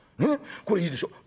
これいいでしょ？